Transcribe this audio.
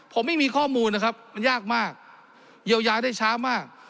ผมไม่มีข้อมูลนะครับมันยากมากเยียวยาได้ช้ามาก